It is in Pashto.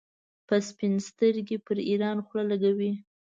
په سپین سترګۍ پر ایران خوله لګوي.